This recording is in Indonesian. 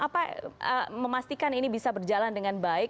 apa memastikan ini bisa berjalan dengan baik